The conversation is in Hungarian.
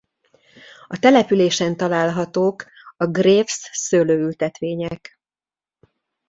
A településen találhatók a Graves szőlőültetvények.